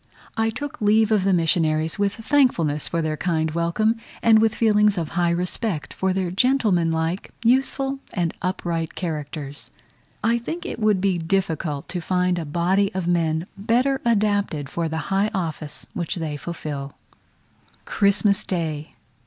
I took leave of the missionaries with thankfulness for their kind welcome, and with feelings of high respect for their gentlemanlike, useful, and upright characters. I think it would be difficult to find a body of men better adapted for the high office which they fulfil. Christmas Day.